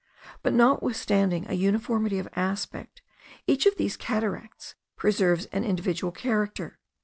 But, notwithstanding a uniformity of aspect, each of these cataracts preserves an individual character.